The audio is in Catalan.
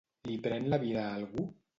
Li pren la vida a algú?